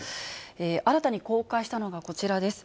新たに公開したのがこちらです。